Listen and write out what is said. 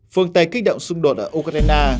phương tây kích động xung đột ở ukraine